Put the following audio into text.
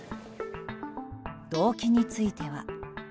動機については。